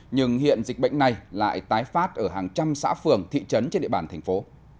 nhưng hiện dịch bệnh này lại tái phát ở hàng trăm xã phường thị trấn trên địa bàn thành phố